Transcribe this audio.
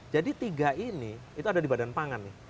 jadi tiga ini itu ada di badan pangan nih